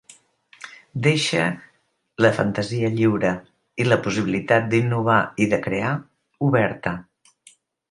Deixe la fantasia lliure, i la possibilitat d’innovar i de crear, oberta.